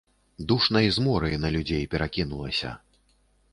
Душнай зморай на людзей перакінулася.